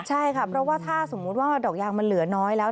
ใช่ค่ะเพราะว่าถ้าสมมุติว่าดอกยางมันเหลือน้อยแล้ว